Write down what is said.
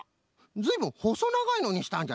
ずいぶんほそながいのにしたんじゃね。